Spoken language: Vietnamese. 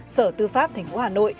sở tư pháp tp hà nội